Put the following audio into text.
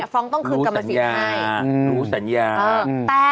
ฟรองต้องคืนกรรมสิทธิ์ให้อืมอืม